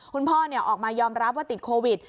คุณพ่อออกมายอมรับว่าติดโควิด